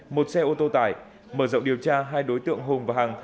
một xe ô tô tải mở rộng điều tra hai đối tượng hùng và hằng